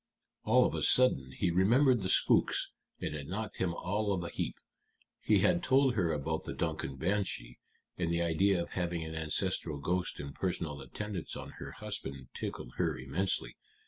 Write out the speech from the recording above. All of a sudden he remembered the spooks, and it knocked him all of a heap. He had told her about the Duncan banshee, and the idea of having an ancestral ghost in personal attendance on her husband tickled her immensely.